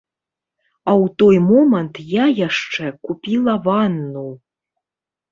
А ў той момант я яшчэ купіла ванну.